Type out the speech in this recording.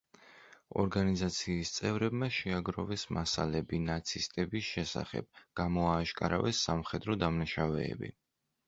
ორგანიზაციის წევრებმა შეაგროვეს მასალები ნაცისტების შესახებ, გამოააშკარავეს სამხედრო დამნაშავეები.